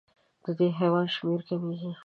د دې حیوان شمېره کمېږي.